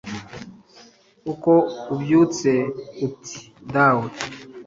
uko mbyutse, nti dawe